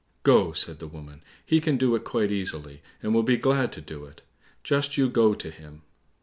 "Go," said the woman, "he can do it quite easily, and will be glad to do it; just you go to him."